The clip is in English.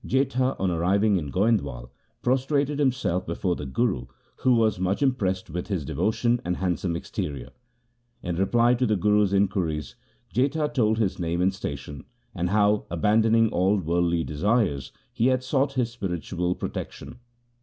Jetha, on arriving in Goindwal, prostrated himself before the Guru, who was much impressed with his devo tion and handsome exterior. In reply to the Guru's inquiries Jetha told his name and station, and how, abandoning all worldly desires, he had sought his spiritual protection.